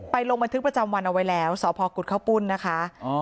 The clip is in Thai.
ลงบันทึกประจำวันเอาไว้แล้วสพกุฎข้าวปุ้นนะคะ